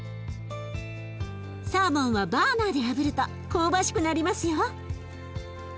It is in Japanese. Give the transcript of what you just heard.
サーモンはバーナーであぶると香ばしくなりますよ。